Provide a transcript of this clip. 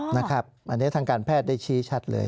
อันนี้ทางการแพทย์ได้ชี้ชัดเลย